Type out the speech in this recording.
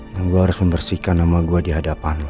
dan gue harus membersihkan nama gue di hadapan lo